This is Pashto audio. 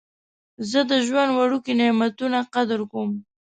زه د ژوند وړوکي نعمتونه قدر کوم.